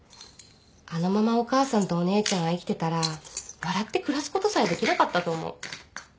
あのままお母さんとお姉ちゃんが生きてたら笑って暮らすことさえできなかったと思う。